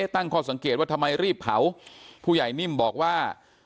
ตั้งข้อสังเกตว่าทำไมรีบเผาผู้ใหญ่นิ่มบอกว่า